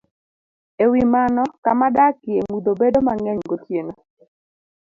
E wi mano, kama adakie mudho bedo mang'eny gotieno,